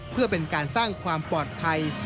เพื่อเป็นการสร้างความปลอดภัย